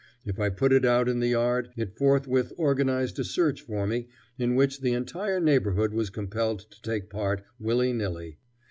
If I put it out in the yard, it forthwith organized a search for me in which the entire neighborhood was compelled to take part, willy nilly.